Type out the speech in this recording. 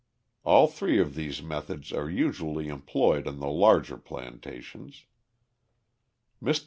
All three of these methods are usually employed on the larger plantations. Mr.